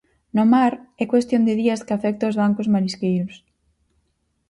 No mar, é cuestión de días que afecte os bancos marisqueiros.